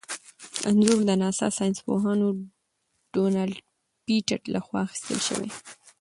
انځور د ناسا ساینسپوه ډونلډ پېټټ لخوا اخیستل شوی.